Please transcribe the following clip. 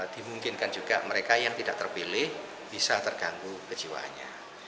dimungkinkan juga mereka yang tidak terpilih bisa terganggu kejiwaannya